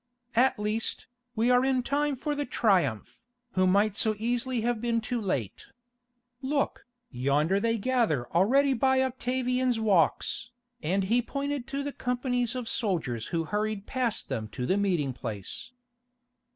"At least, we are in time for the Triumph, who might so easily have been too late. Look, yonder they gather already by Octavian's Walks," and he pointed to the companies of soldiers who hurried past them to the meeting place.